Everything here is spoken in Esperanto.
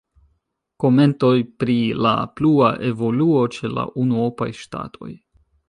Komentoj pri la plua evoluo ĉe la unuopaj ŝtatoj.